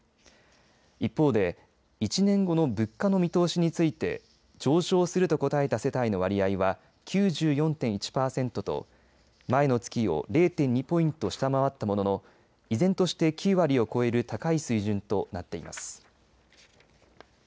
一方で、１年後の物価の見通しについて上昇すると答えた世帯の割合は９４．１パーセントと前の月を０．２ポイント下回ったものの依然として９割を超える高い水準となっています。